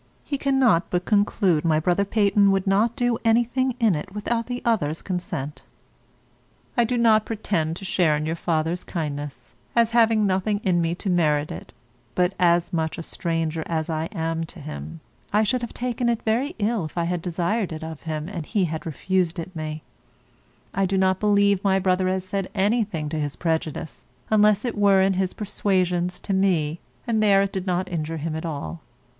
He cannot but conclude my brother Peyton would not do anything in it without the others' consent. I do not pretend to any share in your father's kindness, as having nothing in me to merit it; but as much a stranger as I am to him, I should have taken it very ill if I had desired it of him, and he had refused it me. I do not believe my brother has said anything to his prejudice, unless it were in his persuasions to me, and there it did not injure him at all.